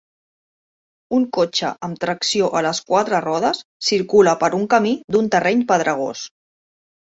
Un cotxe amb tracció a les quatre rodes circula per un camí d'un terreny pedregós.